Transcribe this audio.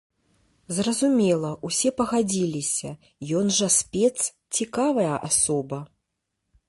Зразумела, усе пагадзіліся, ён жа спец, цікавая асоба!